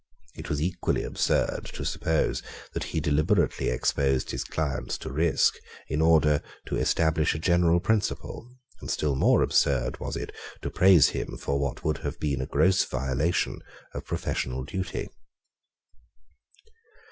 It was equally absurd to suppose that he deliberately exposed his clients to risk, in order to establish a general principle: and still more absurd was it to praise him for what would have been a gross violation of professional duty.